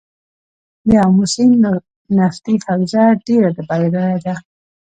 د امو سیند نفتي حوزه ډیره بډایه ده